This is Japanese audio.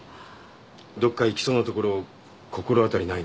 どっか行きそうな所心当たりないの？